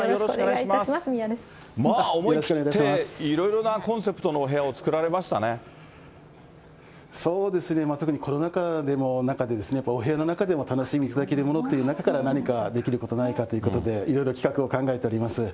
思い切っていろいろなコンセプトそうですね、特にコロナ禍の中で、お部屋の中でお楽しみいただける何かできることないかということで、いろいろ企画を考えております。